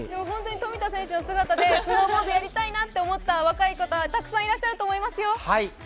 冨田選手の姿でスノーボードやりたいなと思った若い方、たくさんいらっしゃると思いますよ。